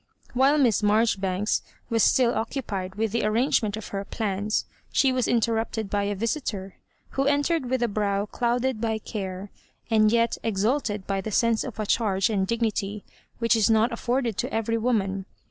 While Miss Marjoribanks was still occu pied with the arrangement of her plans she was interrapted by a visitor, who entered with a brow clouded by oare, and yet exalted by the sense of a charge and dignity which is not afforded to every woman.